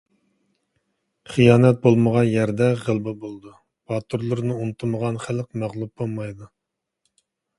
خىيانەت بولمىغان يەردە غەلىبە بولىدۇ؛ باتۇرلىرىنى ئۇنتۇمىغان خەلق مەغلۇپ بولمايدۇ.